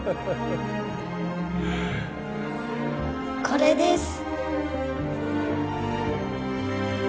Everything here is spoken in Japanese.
これです。